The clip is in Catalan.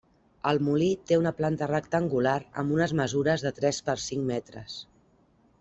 El molí té una planta rectangular amb unes mesures de tres per cinc metres.